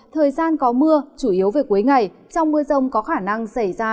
thời gian có mưa chủ yếu về cuối ngày trong mưa rông có khả năng xảy ra lốc xét gió giật mạnh